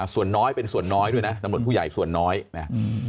ส่วนน้อยเป็นส่วนน้อยด้วยนะตำรวจผู้ใหญ่ส่วนน้อยนะ